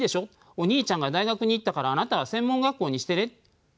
お兄ちゃんが大学に行ったからあなたは専門学校にしてね。